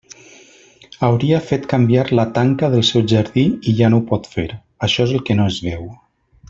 Hauria fet canviar la tanca del seu jardí i ja no ho pot fer, això és el que no es veu.